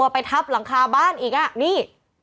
สู้ตัวไปทับหลังคาบ้านเอกอะนี่